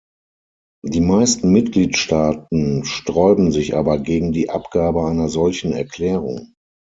Die meisten Mitgliedstaaten sträuben sich aber gegen die Abgabe einer solchen Erklärung.